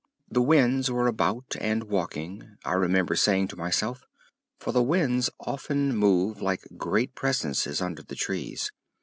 The winds were about and walking, I remember saying to myself, for the winds often move like great presences under the trees.